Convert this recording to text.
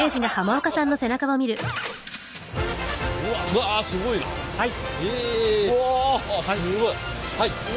うわすごいな。